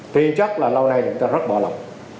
tiền chất là lâu nay chúng ta rất bỏ lỏng